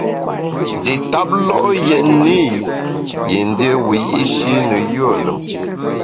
Nji tap lo’ yètne i yin dié wiyi’shi ne yùe lùm.